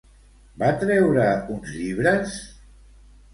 Va treure uns llibres?